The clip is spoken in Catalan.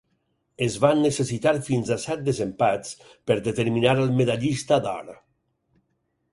Es van necessitar fins a set desempats per determinar el medallista d'or.